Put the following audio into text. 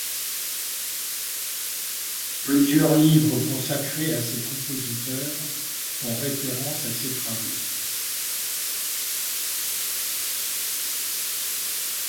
Plusieurs livresconsacrés à ces compositeurs font référence à ses travaux.